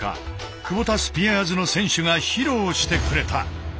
クボタスピアーズの選手が披露してくれた。